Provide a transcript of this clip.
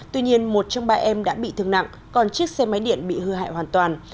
tuy nhiên một trong ba em đã bị thương nặng còn chiếc xe máy điện bị hư hại hoàn toàn